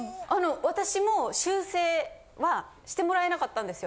私も修正はしてもらえなかったんですよ。